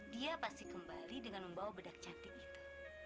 dia pasti kembali dengan membawa bedak cantik itu